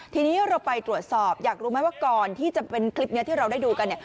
ทีนี้เราไปตรวจสอบอยากรู้ไหมว่าก่อนที่จะเป็นคลิปนี้ที่เราได้ดูกันเนี่ย